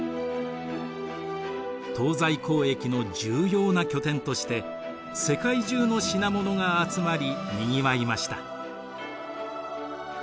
東西交易の重要な拠点として世界中の品物が集まりにぎわいました。